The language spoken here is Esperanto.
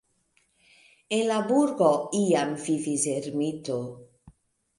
En la burgo iam vivis ermito.